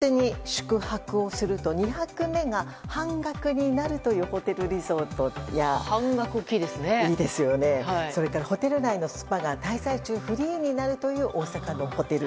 これによって例えば、平日に宿泊をすると２泊目が半額になるというホテルリゾートやホテル内のスパが滞在中フリーになるという大阪のホテル。